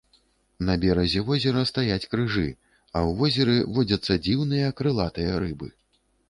На беразе возера стаяць крыжы, а ў возеры водзяцца дзіўныя крылатыя рыбы.